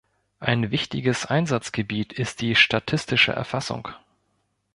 Ein wichtiges Einsatzgebiet ist die statistische Erfassung.